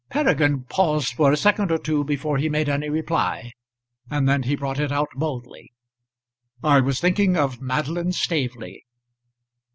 Peregrine paused for a second or two before he made any reply, and then he brought it out boldly. "I was thinking of Madeline Staveley."